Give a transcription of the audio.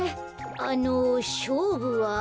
あのしょうぶは？